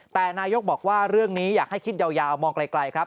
แต่นายกบอกว่าเรื่องนี้อยากให้คิดยาวมองไกลครับ